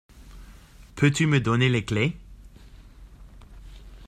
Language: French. Peux-tu me donner les clés ?